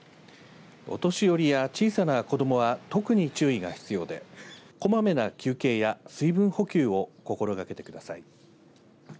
お年寄りや小さな子どもは特に注意が必要でこまめな休憩や水分補給を心がけてください。